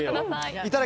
いただき！